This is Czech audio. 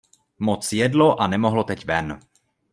Moc jedlo, a nemohlo teď ven.